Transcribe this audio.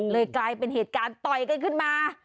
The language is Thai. เลยกลายเป็นเหตุการณ์ต่อยกันขึ้นมา